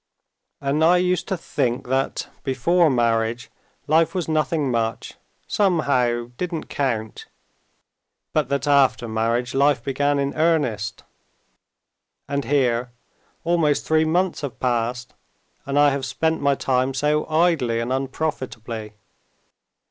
And I used to think that, before marriage, life was nothing much, somehow didn't count, but that after marriage, life began in earnest. And here almost three months have passed, and I have spent my time so idly and unprofitably.